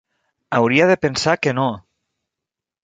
Hauria de pensar que no!